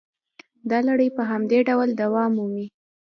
دا لړۍ په همدې ډول دوام مومي